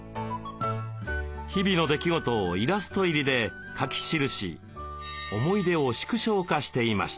日々の出来事をイラスト入りで書き記し思い出を縮小化していました。